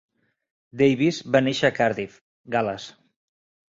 Davis va néixer a Cardiff, Gal·les.